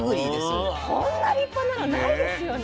こんな立派なのないですよね。